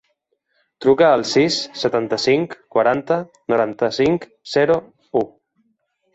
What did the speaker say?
Truca al sis, setanta-cinc, quaranta, noranta-cinc, zero, u.